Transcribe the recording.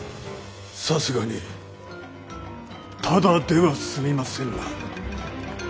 さすがにただでは済みませぬな。